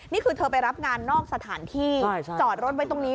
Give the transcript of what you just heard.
นี่คือเธอไปรับงานนอกสถานที่จอดรถไว้ตรงนี้